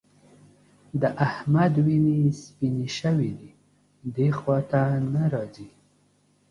د احمد وینې سپيېنې شوې دي؛ دې خوا ته نه راځي.